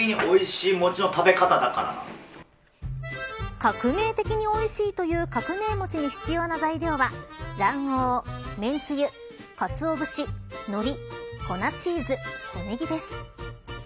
革命的においしいという革命餅に必要な材料は卵黄、めんつゆ、かつお節のり、粉チーズ、小ネギです。